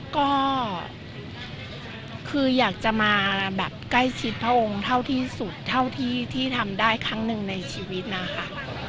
ก็คืออยากจะมาแบบใกล้ชิดพระองค์เท่าที่สุดเท่าที่ทำได้ครั้งหนึ่งในชีวิตนะคะ